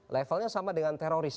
levelnya sama dengan teroris